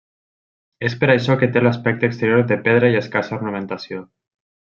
És per això que té l'aspecte exterior de pedra i escassa ornamentació.